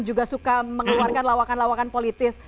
juga suka mengeluarkan lawakan lawakan politis